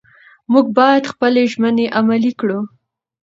موږ باید خپلې ژمنې عملي کړو